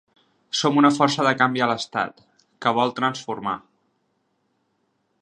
Som una força de canvi a l’estat, que vol transformar.